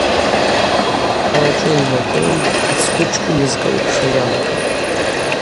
Хъарачӏвыла йнагылын ацгвычкӏвын йазкӏылпшуа йалагатӏ.